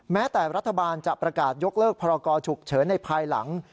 แม้แต่รัฐบาลจะประกาศยกเลิกพรกรฉุกเฉินในภายหลัง